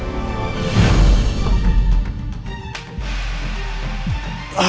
tidak ada apa apa